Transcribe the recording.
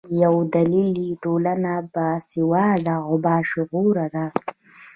یو دلیل یې ټولنه باسواده او باشعوره ده.